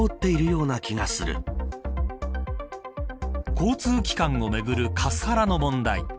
交通機関をめぐるカスハラの問題。